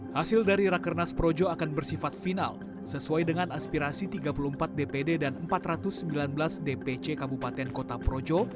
hasil dari rakernas projo akan bersifat final sesuai dengan aspirasi tiga puluh empat dpd dan empat ratus sembilan belas dpc kabupaten kota projo